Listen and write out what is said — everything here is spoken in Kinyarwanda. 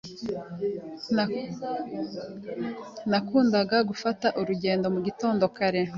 Nakundaga gufata urugendo kare mu gitondo.